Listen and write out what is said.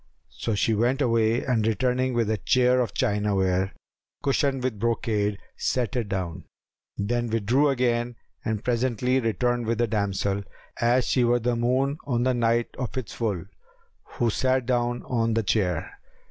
So she went away and returning with a chair of chinaware, cushioned with brocade, set it down: then withdrew again and presently returned with a damsel, as she were the moon on the night of its full, who sat down on the chair.